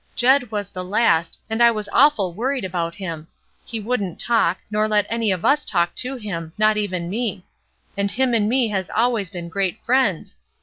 ''Jed was the last, and I was awful worried about him. He wouldn't talk, nor let any of us talk to him, not even me ; and him and me has al ways been great friends.